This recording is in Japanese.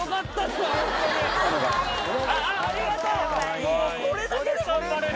もうありがとう！